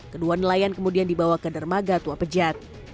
kedua nelayan kemudian dibawa ke dermaga tua pejat